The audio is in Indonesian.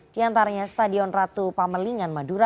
di antaranya stadion ratu pamelingan madura